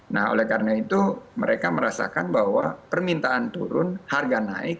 nah oleh karena itu mereka merasakan bahwa permintaan turun harga naik